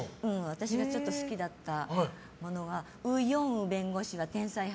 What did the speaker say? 私が好きだったものは「ウ・ヨンウ弁護士は天才肌」。